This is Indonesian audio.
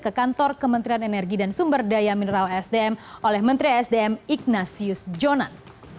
ke kantor kementerian energi dan sumber daya mineral sdm oleh menteri sdm ignasius jonan